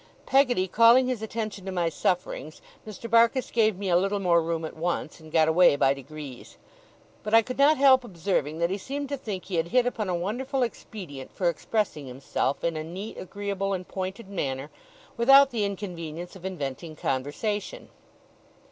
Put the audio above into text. Peggotty calling his attention to my sufferings, Mr. Barkis gave me a little more room at once, and got away by degrees. But I could not help observing that he seemed to think he had hit upon a wonderful expedient for expressing himself in a neat, agreeable, and pointed manner, without the inconvenience of inventing conversation.